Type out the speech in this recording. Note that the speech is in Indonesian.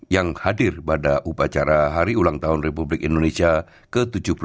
yang hadir pada upacara hari ulang tahun republik indonesia ke tujuh puluh delapan